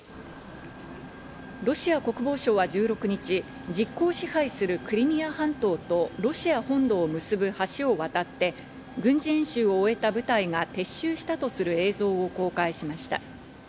ロシア国防省は１６日、実効支配するクリミア半島とロシア本土を結ぶ橋を渡って軍事演習を終えた部隊が撤収したとする映像を公開しました。